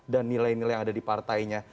dan nilai nilai yang ada di partainya